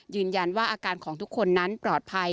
ยืนยันว่าอาการของทุกคนนั้นปลอดภัย